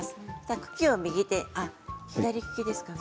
茎を右手に左利きですか。